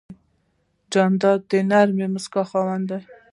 جانداد د نرمې موسکا خاوند دی.